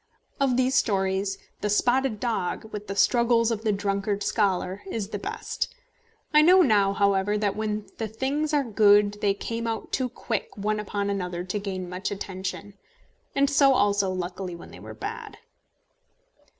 Of these stories The Spotted Dog, with the struggles of the drunkard scholar, is the best. I know now, however, that when the things were good they came out too quick one upon another to gain much attention; and so also, luckily, when they were bad.